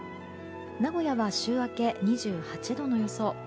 名古屋は週明け２８度の予想。